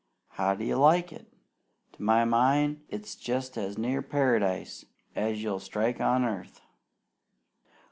How do you like it? To my mind it's jest as near Paradise as you'll strike on earth.